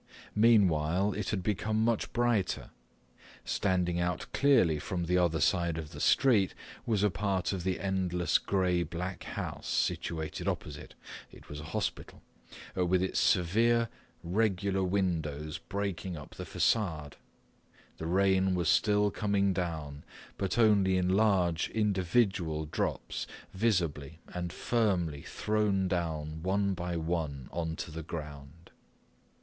Meanwhile it had become much brighter. Standing out clearly from the other side of the street was a part of the endless grey black house situated opposite—it was a hospital—with its severe regular windows breaking up the facade. The rain was still coming down, but only in large individual drops visibly and firmly thrown down one by one onto the ground.